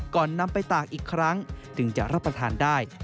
นำไปตากอีกครั้งจึงจะรับประทานได้